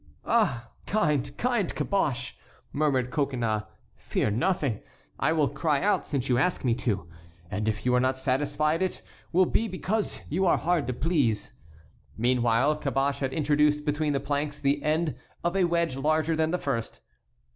"Ah! kind, kind Caboche," murmured Coconnas, "fear nothing; I will cry out since you ask me to, and if you are not satisfied it will be because you are hard to please." Meanwhile Caboche had introduced between the planks the end of a wedge larger than the first.